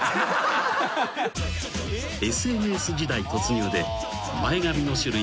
［ＳＮＳ時代突入で前髪の種類大増殖］